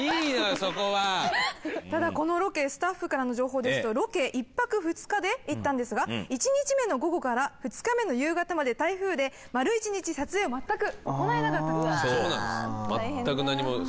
そこはただこのロケスタッフからの情報ですとロケ１泊２日で行ったんですがうんうん１日目の午後から２日目の夕方まで台風であそうなんです